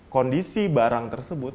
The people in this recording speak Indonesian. kondisi barang tersebut